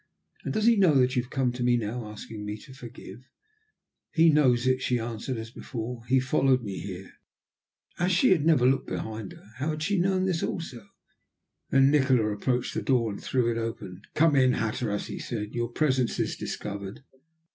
"And does he know that you have come to me now asking me to forgive?" "He knows it," she answered, as before. "He followed me here." As she had never looked behind her, how had she known this also? Then Nikola approached the door and threw it open. "Come in, Hatteras," he said. "Your presence is discovered."